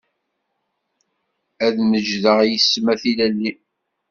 Ad mejdeɣ yis-m a tilelli.